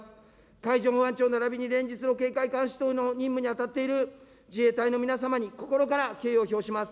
海上保安庁ならびに連日の警戒監視等の任務に当たっている自衛隊の皆様に心から敬意を表します。